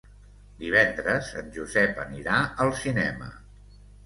Divendres en Josep anirà al cinema.